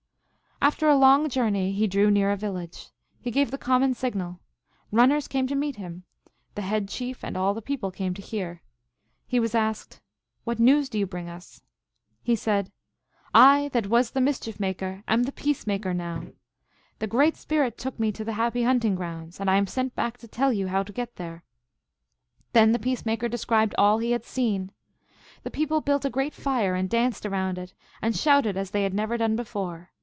After a long journey he drew near a village. He gave the common signal. Runners came to meet him. The head chief and all the people came to hear. He was asked, " What news do you bring us ?" He said, "I that was the Mischief Maker am the Peace Maker now. The Great Spirit took me to the happy hunting grounds, and I am sent back to tell you how to get there." Then the Peace Maker de scribed all he had seen. The people built a great fire and danced around it, and shouted as they had never done before.